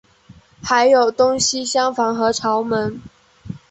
还有东西厢房和朝门。